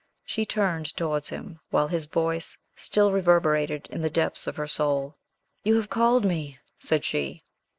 She turned towards him, while his voice still reverberated in the depths of her soul. "You have called me!" said she.